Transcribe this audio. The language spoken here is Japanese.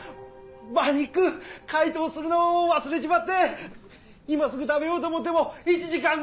馬肉解凍するの忘れちまって今すぐ食べようと思っても１時間ぐらいかかるわ！